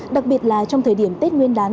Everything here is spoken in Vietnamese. đặc biệt là trong thời điểm tết nguyên